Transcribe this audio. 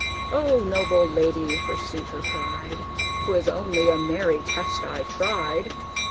"O noble lady!" her suitor cried, "'Twas only a merry test I tried.